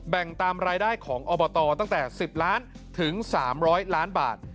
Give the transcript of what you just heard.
แบ่งตามรายได้ของอบตตั้งแต่๑๐ล้านถึง๓๐๐ล้านบาท